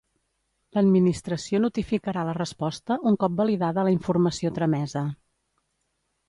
L'Administració notificarà la resposta un cop validada la informació tramesa.